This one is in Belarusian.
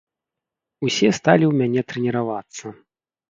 Усе сталі ў мяне трэніравацца.